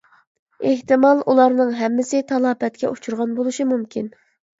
ئېھتىمال ئۇلارنىڭ ھەممىسى تالاپەتكە ئۇچرىغان بولۇشى مۇمكىن.